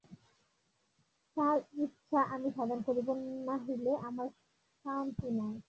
তাহার ইচ্ছা আমি সাধন করিব, নহিলে আমার শান্তি নাই।